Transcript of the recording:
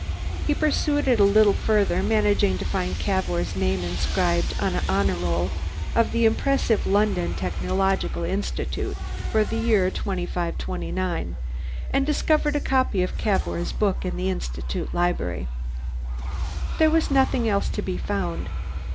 He pursued it a little further, managed to find Cavour's name inscribed on the honor role of the impressive London Technological Institute for the year 2529, and discovered a copy of Cavour's book in the Institute Library. There was nothing else to be found.